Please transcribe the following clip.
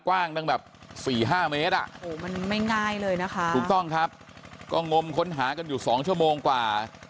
กว้างตั้งแบบสี่ห้าเมตรอ่ะโอ้โหมันไม่ง่ายเลยนะคะถูกต้องครับก็งมค้นหากันอยู่สองชั่วโมงกว่า